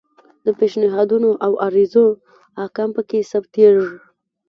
د پیشنهادونو او عرایضو احکام پکې ثبتیږي.